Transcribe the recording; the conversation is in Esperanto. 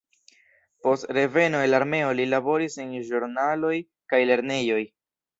Post reveno el armeo li laboris en ĵurnaloj kaj lernejoj.